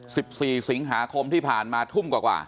สิบสี่สิงหาคมที่ผ่านมาทุ่มกว่ากว่า